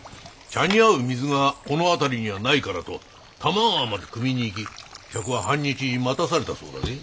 茶に合う水がこの辺りにはないからと玉川までくみに行き客は半日待たされたそうだぜ。